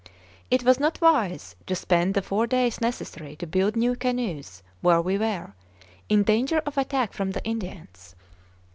It was not wise to spend the four days necessary to build new canoes where we were, in danger of attack from the Indians.